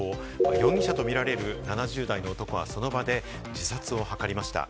容疑者とみられる７０代の男はその場で自殺を図りました。